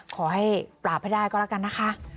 ขอให้ปราบให้ได้ก็แล้วกันนะคะ